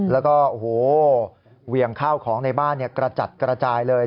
แล้วก็โอ้โหเวียงข้าวของในบ้านกระจัดกระจายเลย